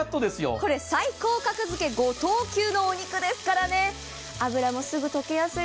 これ最高格付け５等級のお肉ですからね。